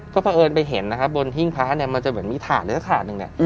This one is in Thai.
ก็เผอิญไปเห็นบนหิ้งพระอย่างธ่าหนึ่ง